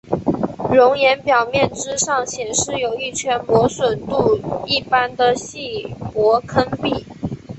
熔岩表面之上显示有一圈磨损度一般的细薄坑壁。